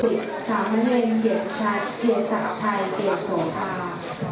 สิทธิ์สามเล่นเย็นชัดเดียกศักดิ์ใช่เดียกสงทา